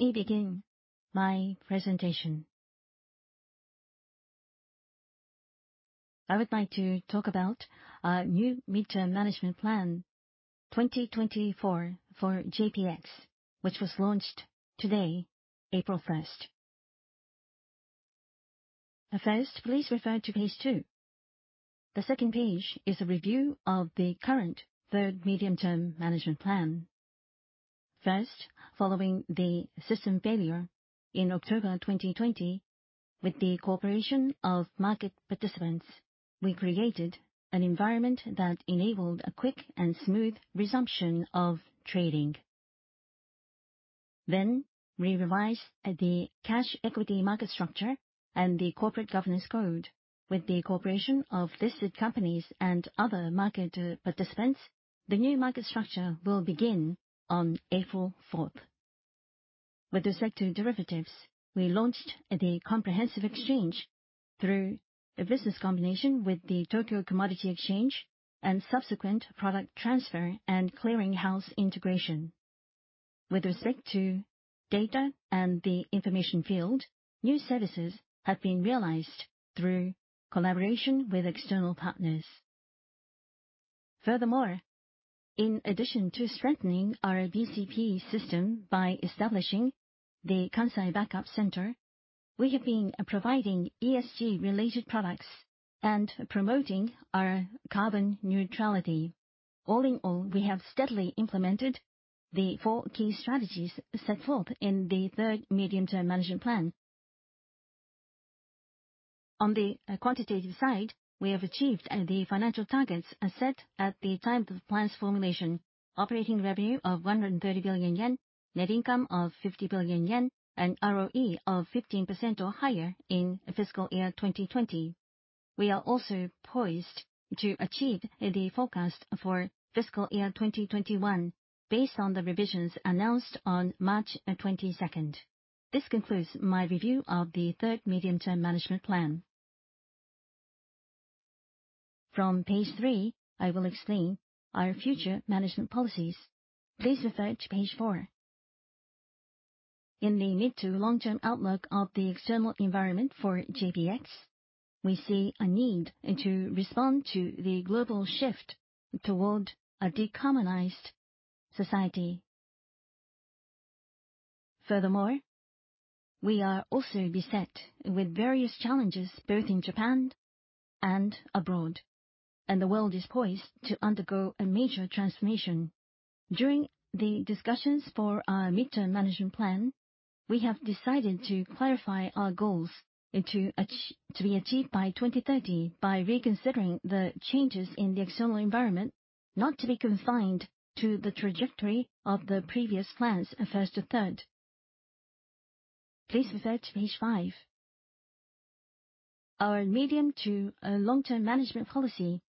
Let me begin my presentation. I would like to talk about our new medium-term management plan 2024 for JPX, which was launched today, April 1. At first, please refer to page two. The second page is a review of the current third medium-term management plan. First, following the system failure in October 2020, with the cooperation of market participants, we created an environment that enabled a quick and smooth resumption of trading. We revised the cash equity market structure and the Corporate Governance Code with the cooperation of listed companies and other market participants. The new market structure will begin on April 4. With respect to derivatives, we launched the comprehensive exchange through a business combination with the Tokyo Commodity Exchange and subsequent product transfer and clearing house integration. With respect to data and the information field, new services have been realized through collaboration with external partners. Furthermore, in addition to strengthening our BCP system by establishing the Kansai Backup Center, we have been providing ESG-related products and promoting our carbon neutrality. All in all, we have steadily implemented the four key strategies set forth in the third medium-term management plan. On the quantitative side, we have achieved the financial targets as set at the time of the plan's formulation. Operating revenue of 130 billion yen, net income of 50 billion yen, and ROE of 15% or higher in fiscal year 2020. We are also poised to achieve the forecast for fiscal year 2021 based on the revisions announced on March 22. This concludes my review of the third medium-term management plan. From page three, I will explain our future management policies. Please refer to page four. In the mid- to long-term outlook of the external environment for JPX, we see a need to respond to the global shift toward a decarbonized society. Furthermore, we are also beset with various challenges both in Japan and abroad, and the world is poised to undergo a major transformation. During the discussions for our midterm management plan, we have decided to clarify our goals to be achieved by 2030 by reconsidering the changes in the external environment, not to be confined to the trajectory of the previous plans first to third. Please refer to page 5. Our medium- to long-term management policy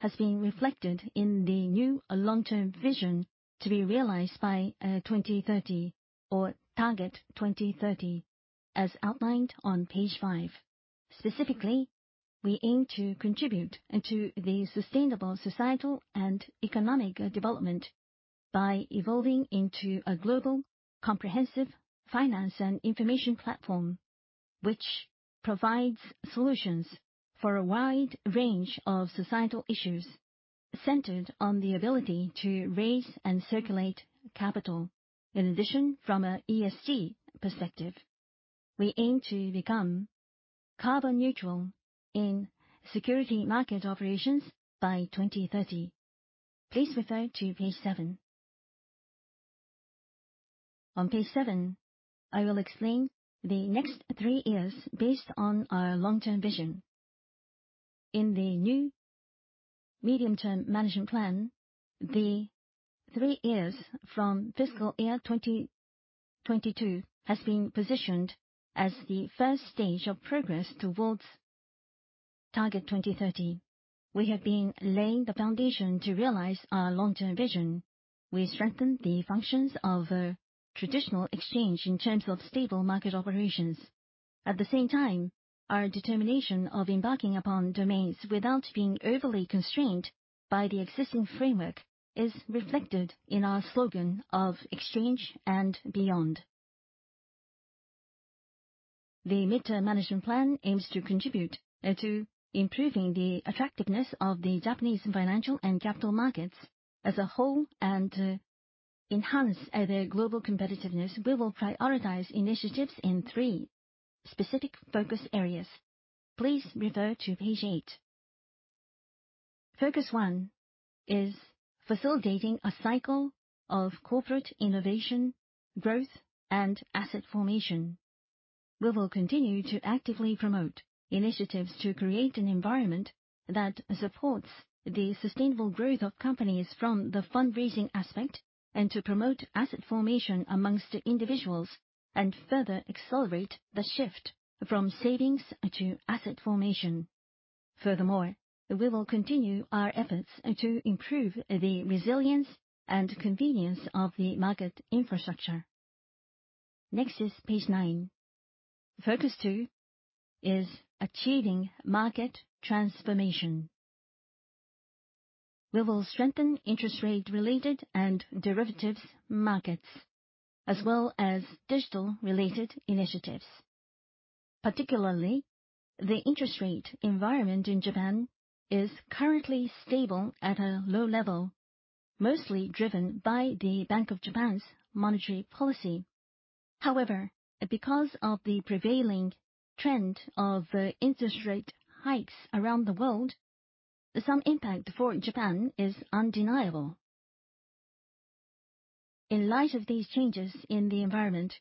has been reflected in the new long-term vision to be realized by 2030 or Target 2030 as outlined on page five. Specifically, we aim to contribute to the sustainable societal and economic development by evolving into a global comprehensive finance and information platform, which provides solutions for a wide range of societal issues centered on the ability to raise and circulate capital. In addition, from an ESG perspective, we aim to become carbon neutral in securities market operations by 2030. Please refer to page 7. On page 7, I will explain the next three years based on our long-term vision. In the new medium-term management plan, the three years from fiscal year 2022 has been positioned as the first stage of progress towards Target 2030. We have been laying the foundation to realize our long-term vision. We strengthen the functions of a traditional exchange in terms of stable market operations. At the same time, our determination of embarking upon domains without being overly constrained by the existing framework is reflected in our slogan of Exchange & beyond. The midterm management plan aims to contribute to improving the attractiveness of the Japanese financial and capital markets as a whole and enhance their global competitiveness. We will prioritize initiatives in three specific focus areas. Please refer to page 8. Focus one is facilitating a cycle of corporate innovation, growth, and asset formation. We will continue to actively promote initiatives to create an environment that supports the sustainable growth of companies from the fundraising aspect and to promote asset formation amongst individuals and further accelerate the shift from savings to asset formation. Furthermore, we will continue our efforts to improve the resilience and convenience of the market infrastructure. Next is page 9. Focus 2 is achieving market transformation. We will strengthen interest rate related and derivatives markets as well as digital related initiatives. Particularly, the interest rate environment in Japan is currently stable at a low level, mostly driven by the Bank of Japan's monetary policy. However, because of the prevailing trend of interest rate hikes around the world, some impact for Japan is undeniable. In light of these changes in the environment,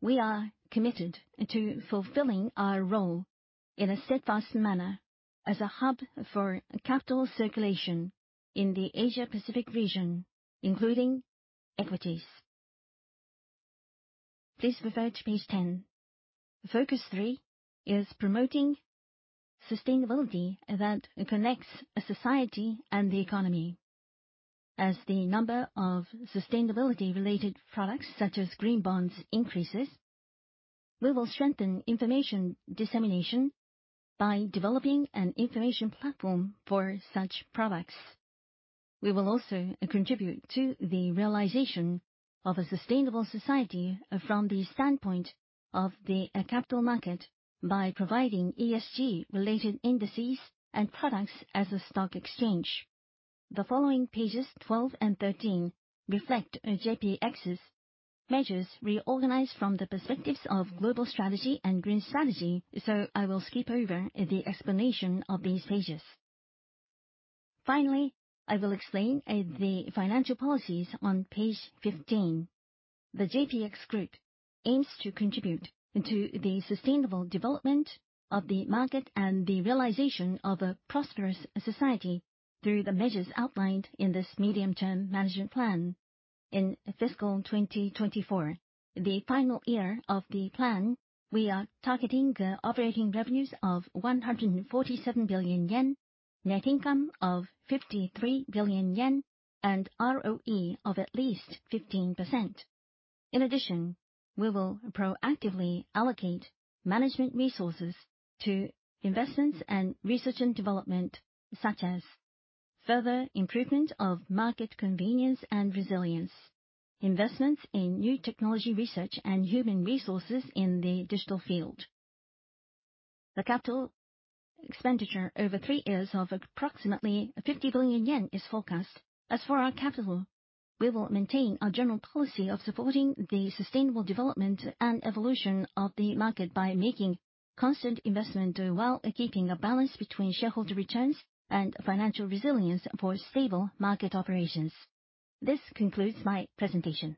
we are committed to fulfilling our role in a steadfast manner as a hub for capital circulation in the Asia Pacific region, including equities. Please refer to page 10. Focus 3 is promoting sustainability that connects a society and the economy. As the number of sustainability related products such as green bonds increases, we will strengthen information dissemination by developing an information platform for such products. We will also contribute to the realization of a sustainable society from the standpoint of the capital market by providing ESG related indices and products as a stock exchange. The following pages 12 and 13 reflect JPX's measures reorganized from the perspectives of global strategy and green strategy. I will skip over the explanation of these pages. Finally, I will explain the financial policies on page 15. The JPX Group aims to contribute to the sustainable development of the market and the realization of a prosperous society through the measures outlined in this medium-term management plan. In FY 2024, the final year of the plan, we are targeting operating revenues of 147 billion yen, net income of 53 billion yen and ROE of at least 15%. In addition, we will proactively allocate management resources to investments and research and development such as further improvement of market convenience and resilience, investments in new technology research and human resources in the digital field. The capital expenditure over three years of approximately 50 billion yen is forecast. As for our capital, we will maintain our general policy of supporting the sustainable development and evolution of the market by making constant investment while keeping a balance between shareholder returns and financial resilience for stable market operations. This concludes my presentation.